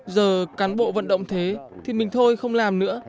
giờ cán bộ vận động thế thì mình thôi không làm nữa